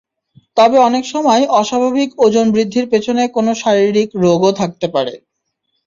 তবে অনেক সময় অস্বাভাবিক ওজন বৃদ্ধির পেছনে কোনো শারীরিক রোগও থাকতে পারে।